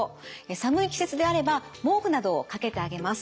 寒い季節であれば毛布などをかけてあげます。